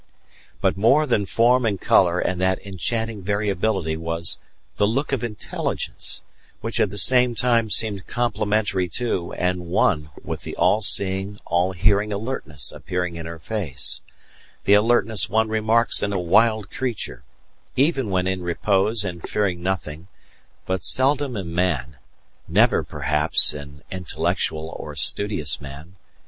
But more than form and colour and that enchanting variability was the look of intelligence, which at the same time seemed complementary to and one with the all seeing, all hearing alertness appearing in her face; the alertness one remarks in a wild creature, even when in repose and fearing nothing; but seldom in man, never perhaps in intellectual or studious man.